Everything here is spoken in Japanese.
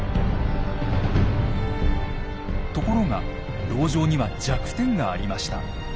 ところが籠城には弱点がありました。